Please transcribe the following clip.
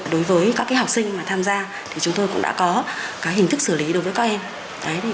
đối với các học sinh tham gia thì chúng tôi cũng đã có hình thức xử lý đối với các em